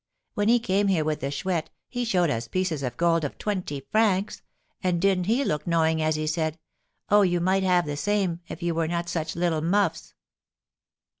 When he came here with the Chouette, he showed us pieces of gold of twenty francs; and didn't he look knowing as he said, 'Oh, you might have the same, if you were not such little muffs!'"